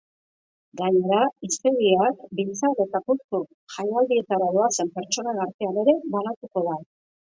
Gainera, hiztegiak biltzar eta kultur jaialdietara doazen pertsonen artean ere banatuko da.